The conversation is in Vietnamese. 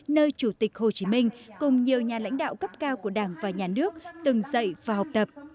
nơi chủ tịch hồ chí minh cùng nhiều nhà lãnh đạo cấp cao của đảng và nhà nước từng dạy và học tập